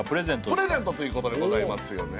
プレゼントということでございますよね。